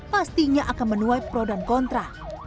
pastinya akan menuai pro dan kontra